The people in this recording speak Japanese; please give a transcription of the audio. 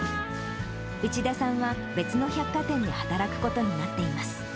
内田さんは別の百貨店で働くことになっています。